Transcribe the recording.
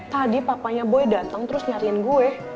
tadi papanya boy datang terus nyariin gue